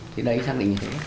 thì đấy chắc định thế